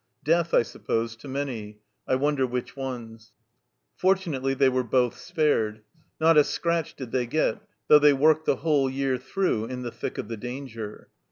Death, I suppose, to many I wonder which ones 1" Fortunately they were both spared ; not a scratch did they get, though they worked the whole year through in the thick of the danger.